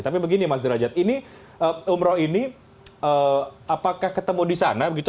tapi begini mas derajat ini umroh ini apakah ketemu di sana begitu